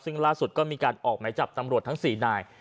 ซึ่งล่าสุดก็มีการออกไหมจับตำรวจทั้ง๔นาย